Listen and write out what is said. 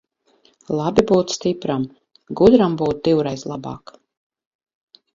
Labi būt stipram, gudram būt divreiz labāk.